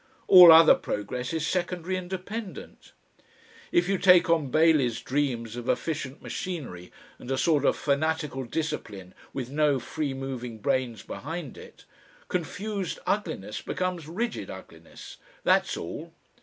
All other progress is secondary and dependant. If you take on Bailey's dreams of efficient machinery and a sort of fanatical discipline with no free moving brains behind it, confused ugliness becomes rigid ugliness, that's all.